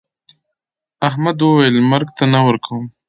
احمد وويل: مرگ ته نه ورکوم.